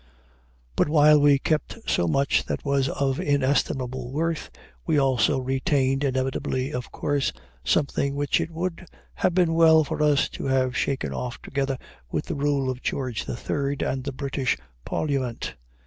But while we kept so much that was of inestimable worth, we also retained, inevitably, of course, something which it would have been well for us to have shaken off together with the rule of George III. and the British Parliament.